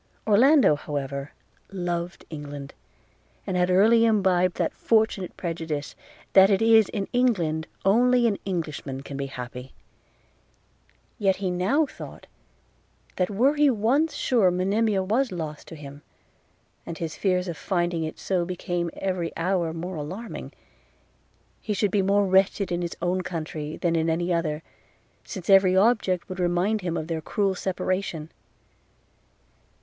Orlando, however, loved England, and had early imbibed that fortunate prejudice, that it is in England only an Englishman can be happy; yet he now thought, that were he once sure Monimia was lost to him (and his fears of finding it so became every hour more alarming), he should be more wretched in his own country than in any other, since every object would remind him of their cruel separation.